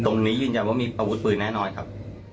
ยืนยันว่ามีอาวุธปืนแน่นอนครับ